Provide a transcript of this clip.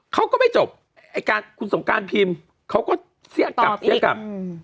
เขาก็ไม่จบคุณสงการพิมพ์เขาก็เสี้ยงกลับ